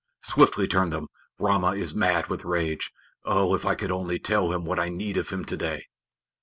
Swiftly turn them! Rama is mad with rage. Oh, if I could only tell him what I need of him to day."